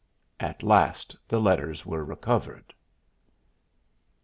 At least the letters were recovered.